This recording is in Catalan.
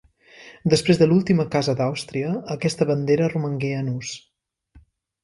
Després de l'última casa d'Àustria aquesta bandera romangué en ús.